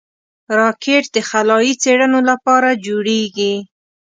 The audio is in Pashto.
راکټ د خلایي څېړنو لپاره جوړېږي